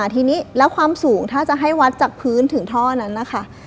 ทีนี้แล้วความสูงถ้าจะให้วัดจากพื้นถึงท่อนั้นนะคะ